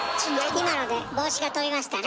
今ので帽子が飛びましたね。